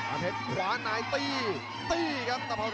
โอ้โหรียองเกมส์